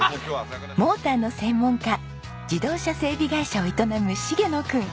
モーターの専門家自動車整備会社を営む重野君。